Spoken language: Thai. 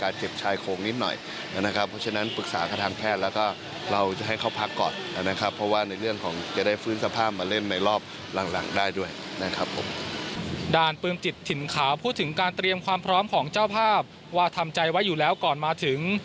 ปืนจิตถิ่นขาวพูดถึงการเตรียมความพร้อมของเจ้าภาพว่าทำใจไว้อยู่แล้วก่อนมาถึง